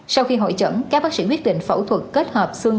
sau khi hội chẩn các bác sĩ quyết định phẫu thuật kết hợp xương